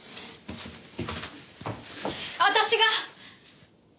私が！